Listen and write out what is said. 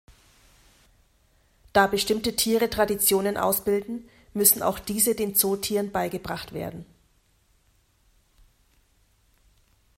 Da bestimmte Tiere Traditionen ausbilden, müssen auch diese den Zootieren beigebracht werden.